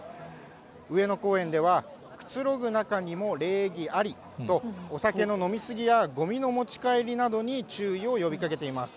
上野公園では、くつろぐ中にも礼儀ありと、お酒の飲み過ぎやごみの持ち帰りなどに注意を呼びかけています。